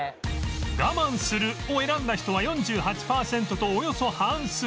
我慢するを選んだ人は４８パーセントとおよそ半数